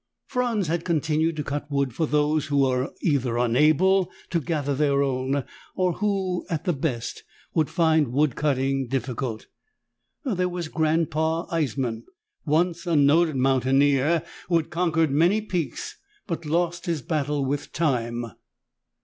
Franz had continued to cut wood for those who were either unable to gather their own or who, at the best, would find wood cutting difficult. There was Grandpa Eissman, once a noted mountaineer, who had conquered many peaks but lost his battle with time.